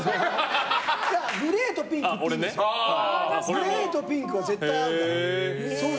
グレーとピンクは絶対合うから。